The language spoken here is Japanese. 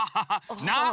な！